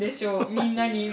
みんなに。